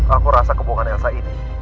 aku rasa kebohongan elsa ini